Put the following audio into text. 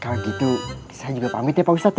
kalau gitu saya juga pamit ya pak ustadz ya